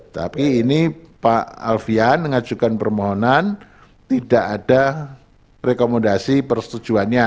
tapi ini pak alfian mengajukan permohonan tidak ada rekomendasi persetujuannya